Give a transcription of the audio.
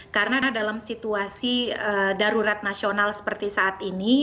karena dalam situasi darurat nasional seperti saat ini